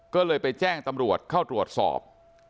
ก็เลยไปแจ้งตำรวจเข้าตรวจสอบ